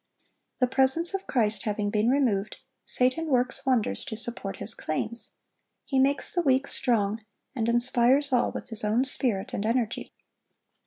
The presence of Christ having been removed, Satan works wonders to support his claims. He makes the weak strong, and inspires all with his own spirit and energy.